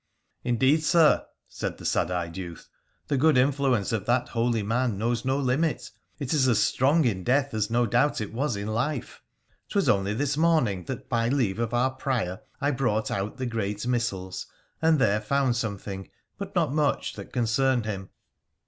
' Indeed, sir,' said the sad eyed youth, ' the good influence of that holy man knows no limit : it is as strong in death as no doubt it was in life. 'Twas only this morning that by leave of our Prior I brought out the great missals, and there found Bomething, but not much, that concerned him.'